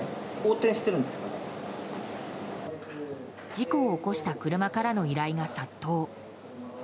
事故を起こした車からの依頼が殺到。